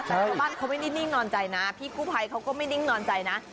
แต่ชาวบ้านเขาไม่ได้นิ่งนอนใจนะพี่กู้ภัยเขาก็ไม่นิ่งนอนใจนะ